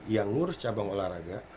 yang ngurus cabang olahraga